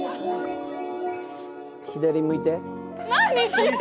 左向いて。